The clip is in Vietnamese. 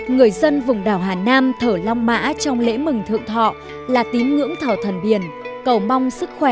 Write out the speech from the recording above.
người dân vùng đảo hà nam thở lòng mã trong lễ mừng thượng thọ là tím ngưỡng thờ thần biển cầu mong sức khỏe để chống chọi bệnh